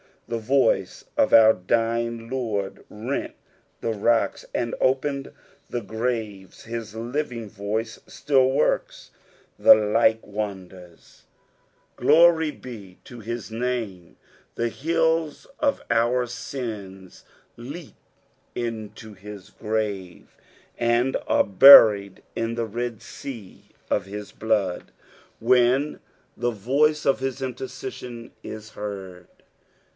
The voice of our dying Lord rent the rocks and opened the graves : his living voice still works the like wonders. Qlory be to his name, tbe hills of our rins leap into his grave, FSALU THE TWEHTT NINTH. 35 and are buried in the red sen of his blood, vhen the voice of hia intemesaion is heard.